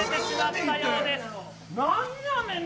何やねん。。